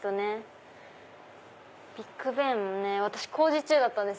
ビッグベンね工事中だったんです